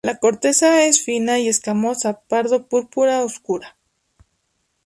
La corteza es fina y escamosa, pardo púrpura oscura.